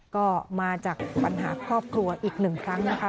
ก็มาจากปัญหาครอบครัวอีกหนึ่งครั้งนะคะ